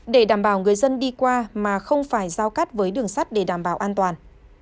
để đảm bảo người dân đi qua mà không phải giao cắt với đường sắt để đảm bảo an toàn